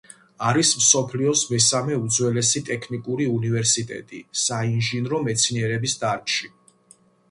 არის მსოფლიოს მესამე უძველესი ტექნიკური უნივერსიტეტი საინჟინრო მეცნიერებების დარგში.